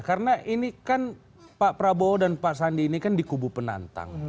karena ini kan pak prabowo dan pak sandi ini kan di kubu penantang